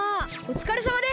おつかれさまです！